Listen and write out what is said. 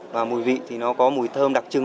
và mùi vị thì nó có mùi thơm đặc trưng